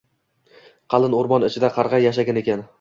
qalin o‘rmon ichida qarg‘a yashagan ekan